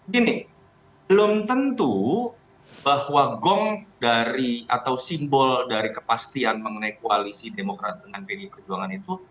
gini belum tentu bahwa gong dari atau simbol dari kepastian mengenai koalisi demokrat dengan pdi perjuangan itu